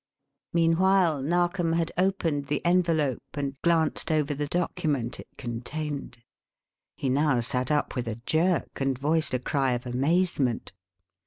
Meanwhile, Narkom had opened the envelope and glanced over the document it contained. He now sat up with a jerk and voiced a cry of amazement.